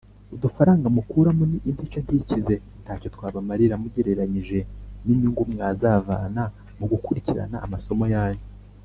udufaranga mukuramo ni intica ntikize nta cyo twabamarira mugereranyije n’inyungu mwazavana mu gukurikirana amasomo yanyu.